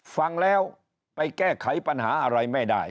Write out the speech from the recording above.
ฟังแล้วไปแก้ไขปัญหาอะไรไม่ได้